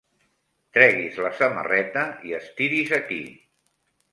Tregui's la samarreta i estiri's aquí.